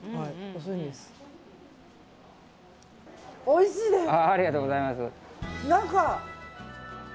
おいしいです！